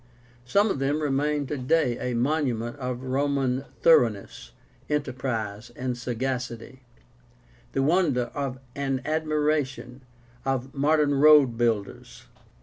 Some of them remain today a monument of Roman thoroughness, enterprise, and sagacity, the wonder and admiration of modern road builders.